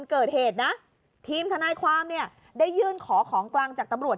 เกิดเหตุนะทีมทนายความเนี่ยได้ยื่นขอของกลางจากตำรวจ